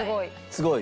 すごい？